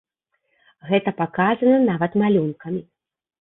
Гэта паказана нават малюнкамі.